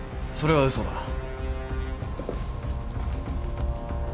それは嘘だ